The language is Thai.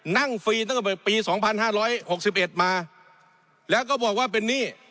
นั่งฟรีตั้งแต่ปีสองพันห้าร้อยหกสิบเอ็ดมาและก็บอกว่าเป็นนี่